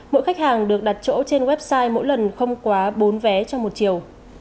mỗi khách hàng được đặt chỗ trên website mỗi lần không quá bốn vé trong một chiều